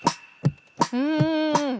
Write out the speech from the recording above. うん。